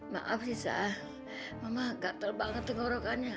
maaf risa mama gatel banget tengkorokannya